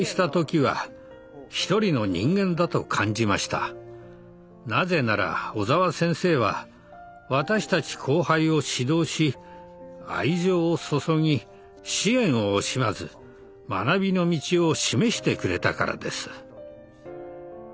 あの時なぜなら小澤先生は私たち後輩を指導し愛情を注ぎ支援を惜しまず学びの道を示してくれたからです。